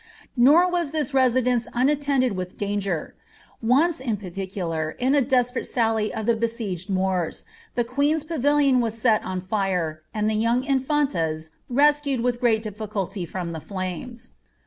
Nor was this residence unattended with danger; once in particular, in a desperate sally of the besieged Moon, the queen's pavilion was set on fire, and the young infantas rescued with great difHculty from the flames.